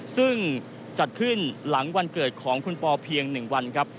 ซึ่งจัดขึ้นหลังวันเกิดของคุณปอเพียง๑วันครับ